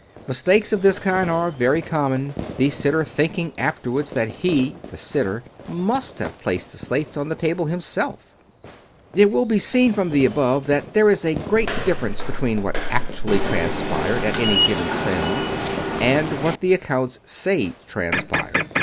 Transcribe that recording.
Mistakes of this kind are very common, the sitter thinking afterwards that he (the sitter) must have placed the slates on the table himself I 286 Hereward Carrington It will be seen from the above that there is a great differ ence between what actually transpired, at any given seance, and what the accounts say transpired.